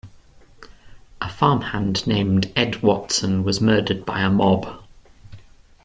A farmhand named Edd Watson was murdered by a mob.